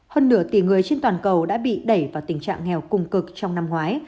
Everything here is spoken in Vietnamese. hơn nửa tỷ người trên toàn cầu đã bị đẩy vào tình trạng nghèo cùng cực trong năm ngoái